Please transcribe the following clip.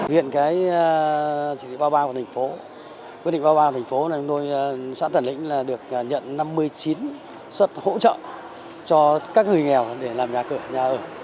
viện trị bao bao của thành phố quyết định bao bao của thành phố là chúng tôi xã tản lính được nhận năm mươi chín xuất hỗ trợ cho các người nghèo để làm nhà cửa nhà ở